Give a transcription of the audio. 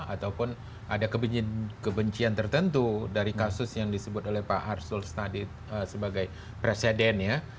ataupun ada kebencian tertentu dari kasus yang disebut oleh pak arsul tadi sebagai presiden ya